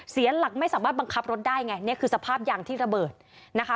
เสียหลักไม่สามารถบังคับรถได้ไงนี่คือสภาพยางที่ระเบิดนะคะ